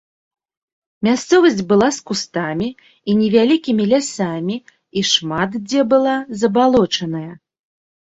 Мясцовасць была з кустамі і невялікімі лясамі і шмат дзе была забалочаная.